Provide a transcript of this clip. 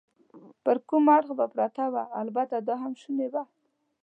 پر کوم اړخ به پرته وه؟ البته دا هم شونې وه.